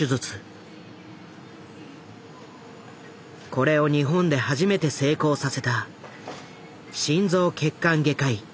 これを日本で初めて成功させた心臓血管外科医渡邊剛。